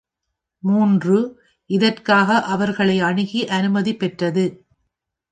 மூன்று, இதற்காக அவர்களை அணுகி அனுமதி பெற்றது.